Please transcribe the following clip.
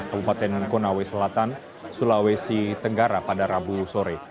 kabupaten konawe selatan sulawesi tenggara pada rabu sore